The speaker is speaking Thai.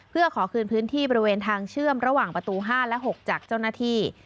เพื่อขอคืนพื้นที่บริเวณทางเชื่อมระหว่างประตู๕และ๖จากเจ้าหน้าที่